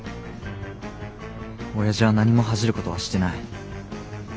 親父は何も恥じることはしてない。